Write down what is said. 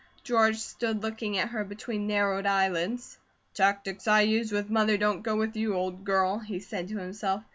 George stood looking at her between narrowed eyelids. "Tactics I use with Mother don't go with you, old girl," he said to himself.